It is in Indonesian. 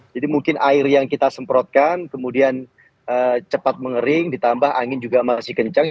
jadi mungkin air yang kita semprotkan kemudian cepat mengering ditambah angin juga masih kencang